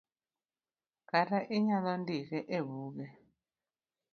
kata inyalo ndike e buge